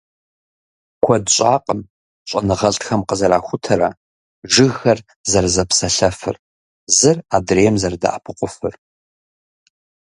Куэд щӀакъым щӀэныгъэлӀхэм къызэрахутэрэ - жыгхэр «зэрызэпсалъэфыр», зыр адрейм зэрыдэӀэпыкъуфыр.